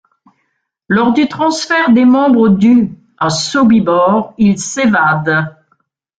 Lors du transfert des membres du ' à Sobibor, il s'évade.